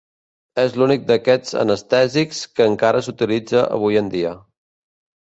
És l'únic d'aquests anestèsics que encara s'utilitza avui en dia.